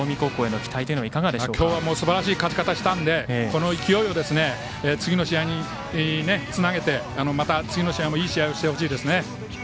今日はすばらしい勝ち方をしたのでこの勢いを次の試合につなげてまた次の試合もいい試合をしてほしいですね。